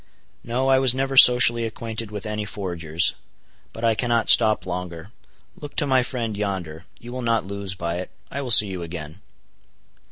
"No, I was never socially acquainted with any forgers. But I cannot stop longer. Look to my friend yonder. You will not lose by it. I will see you again."